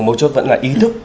một chút vẫn là ý thức